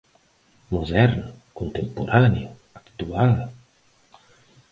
Moderno, contemporáneo, actual?